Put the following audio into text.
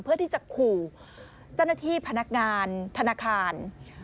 เพื่อที่จะขู่เจ้าหน้าที่พนักงานธนาคาร